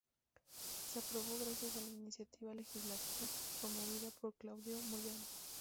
Se aprobó gracias a la iniciativa legislativa promovida por Claudio Moyano.